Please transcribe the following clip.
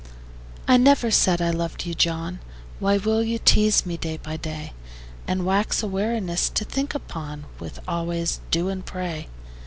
I never said I loved you, John: Why will you tease me, day by day, And wax a weariness to think upon With always "do" and "pray"?